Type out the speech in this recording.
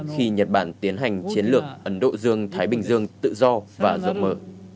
khi nhật bản tiến hành chiến lược ấn độ dương thái bình dương tự do và rộng mở